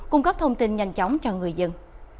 cung cấp thông tin nhanh chóng cho người dân